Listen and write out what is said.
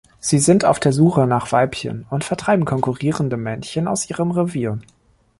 Sie sind auf der Suche nach Weibchen und vertreiben konkurrierende Männchen aus ihrem Revier.